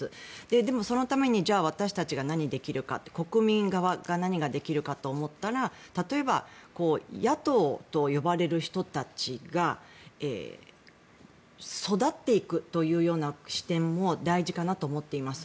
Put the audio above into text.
でも、そのために私たちが何をできるか国民側が何ができるかと思ったら例えば、野党と呼ばれる人たちが育っていくというような視点も大事かなと思っています。